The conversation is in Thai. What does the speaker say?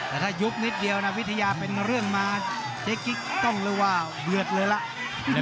แต่ถ้ายุบนิดเดียวนะวิทยาเป็นเรื่องมาเจ๊กิ๊กต้องเรียกว่าเดือดเลยล่ะ